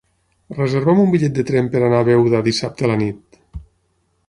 Reserva'm un bitllet de tren per anar a Beuda dissabte a la nit.